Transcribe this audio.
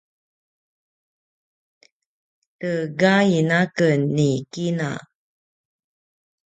tegain a ken ni ina